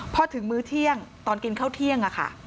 พอถึงมื้อเที่ยงตอนกินข้าวเที่ยงค่ะ